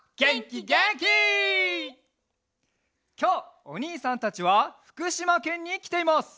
きょうおにいさんたちはふくしまけんにきています！